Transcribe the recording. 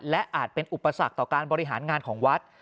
และอาจเป็นอุปสรรคต่อการบริหารงานของวัด